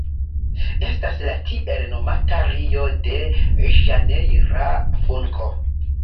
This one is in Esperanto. Estas la tiel nomata Rio-de-Ĵanejra Funko.